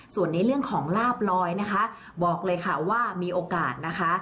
ส่วนในเรื่องของลาบลอยนะคะบอกเลยค่ะว่ามีโอกาสนะคะ